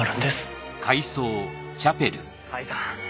甲斐さん。